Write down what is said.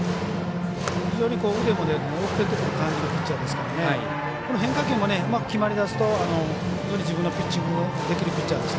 非常に腕も遅れてくる感じのピッチャーですから変化球もうまく決まりだすとより自分のピッチングができるピッチャーです。